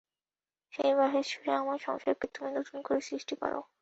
সেই বাঁশির সুরে আমার সংসারকে তুমি নতুন করে সৃষ্টি করো।